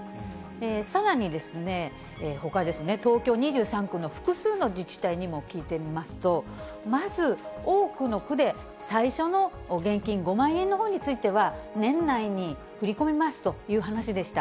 さらにですね、ほかですね、東京２３区の複数の自治体にも聞いてみますと、まず、多くの区で最初の現金５万円のほうについては、年内に振り込みますという話でした。